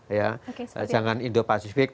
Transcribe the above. oke seperti itu jangan indo pasifiknya